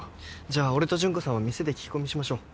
じゃあ俺と純子さんは店で聞き込みしましょう。